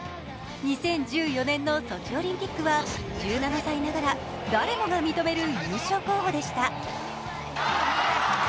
２０１４年のソチオリンピックは１７歳ながら誰もが認める優勝候補でした。